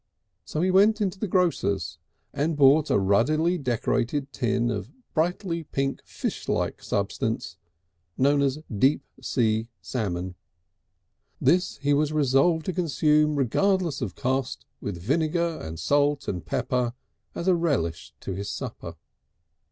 So he went into the grocer's and bought a ruddily decorated tin of a brightly pink fishlike substance known as "Deep Sea Salmon." This he was resolved to consume regardless of cost with vinegar and salt and pepper as a relish to his supper.